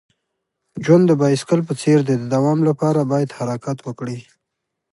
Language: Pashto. ژوند د بایسکل په څیر دی. د دوام لپاره باید حرکت وکړې.